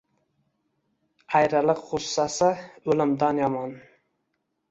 Ayriliq g’ussasi o’limdan yomon…